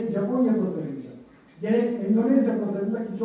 dan indonesia juga menempatkan di pazar indonesia